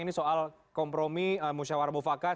ini soal kompromi musyawarah mufakat